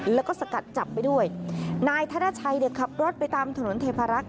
แล้วก็สกัดจับไปด้วยนายธนชัยเนี่ยขับรถไปตามถนนเทพารักษ